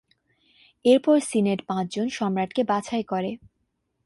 এরপর সিনেট পাঁচজন সম্রাটকে বাছাই করে।